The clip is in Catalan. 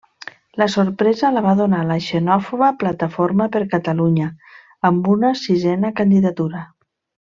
La sorpresa la va donar la xenòfoba Plataforma per Catalunya amb una sisena candidatura.